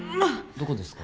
どこですか？